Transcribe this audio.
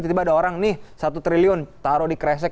tiba tiba ada orang nih satu triliun taruh di kresek